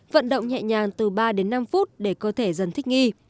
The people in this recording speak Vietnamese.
vận động nhẹ nhàng từ ba đến năm phút để cơ thể dần thích nghi